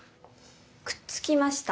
くっつきました？